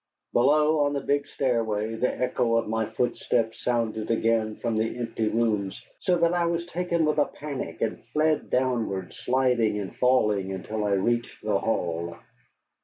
Below, on the big stairway, the echo of my footsteps sounded again from the empty rooms, so that I was taken with a panic and fled downward, sliding and falling, until I reached the hall.